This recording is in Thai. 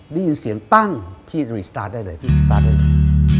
ได้ยินเสียงตั้งพี่เริ่มใหม่ได้เลย